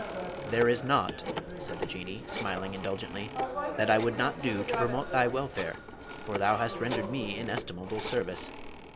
"There is naught," said the Jinnee, smiling indulgently, "that I would not do to promote thy welfare, for thou hast rendered me inestimable service.